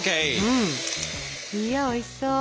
うん。いやおいしそう。